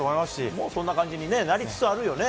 もうそんな感じになりつつあるよね。